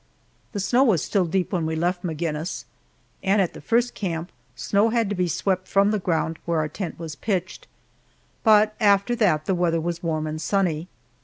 The snow was still deep when we left Maginnis, and at the first camp snow had to be swept from the ground where our tent was pitched. But after that the weather was warm and sunny.